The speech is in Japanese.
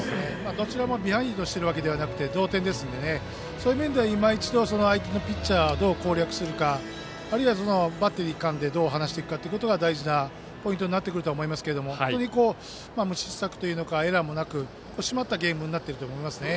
どちらもビハインドしているわけではなくて同点ですのでそういう意味では、いま一度相手のピッチャーをどう攻略するかあるいは、バッテリー間でどう話していくかが大事なポイントになってくると思いますが本当に失策、エラーもなく締まったゲームになっていると思います。